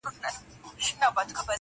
هره خوا ګورم تیارې دي چي ښکارېږي!.